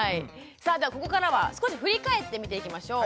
さあではここからは少し振り返って見ていきましょう。